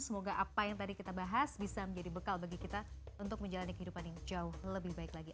semoga apa yang tadi kita bahas bisa menjadi bekal bagi kita untuk menjalani kehidupan yang jauh lebih baik lagi